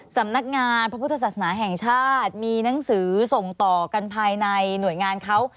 สำนักงานพระพุทธศาสนาแห่งชาติมีหนังสือส่งต่อกันภายในหน่วยงานเขา